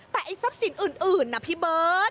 แต่ไอ้ทรัพย์สินอื่นนะพี่เบิร์ต